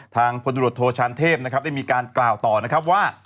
ทางพนธรรมโทชานเทพได้มีการกล่าวต่อว่า